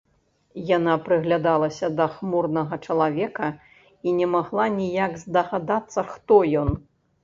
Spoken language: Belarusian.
Яна прыглядалася да хмурнага чалавека і не магла ніяк здагадацца, хто ён.